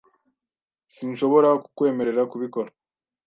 Sinshobora kukwemerera kubikora .